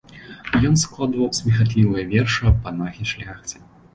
Ён складваў смехатлівыя вершы аб панах і шляхце.